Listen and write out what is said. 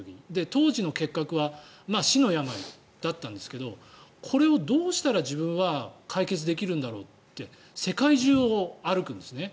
当時の結核は死の病だったんですけどこれをどうしたら自分は解決できるんだろうって世界中を歩くんですね。